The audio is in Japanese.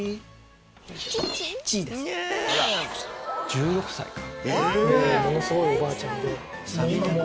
１６歳か。